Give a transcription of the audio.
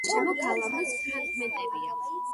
კოშკის გარშემო გალავნის ფრაგმენტებია.